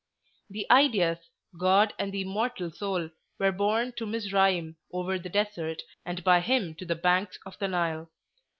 The ideas—God and the Immortal Soul—were borne to Mizraim over the desert, and by him to the banks of the Nile.